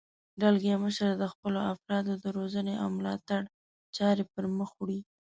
دلګی مشر د خپلو افرادو د روزنې او ملاتړ چارې پرمخ وړي.